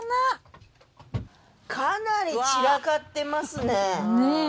かなり散らかってますね。ねぇ。